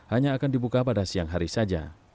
hanya akan dibuka pada siang hari saja